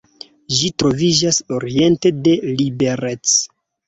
Ĝi troviĝas oriente de Liberec.